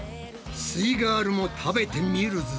すイガールも食べてみるぞ。